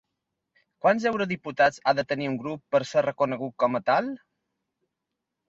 Quants eurodiputats ha de tenir un grup per ser reconegut com a tal?